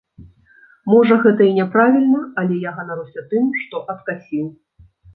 Можа, гэта і няправільна, але я ганаруся тым, што адкасіў.